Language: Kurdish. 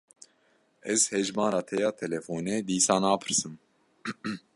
Ez hejmara te ya telefonê dîsa napirsim.